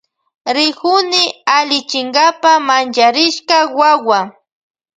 Rikuni allichinkapa mancharishka wawa.